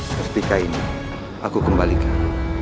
seperti ini aku kembalikan